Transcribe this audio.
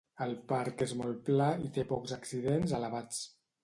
El parc és molt pla i té pocs accidents elevats.